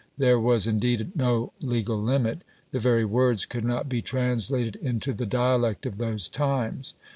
There was indeed no legal limit; the very words could not be translated into the dialect of those times.